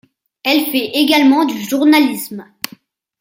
Elle fait également du journalisme.